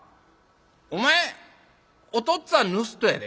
お前お父っつぁん盗人やで？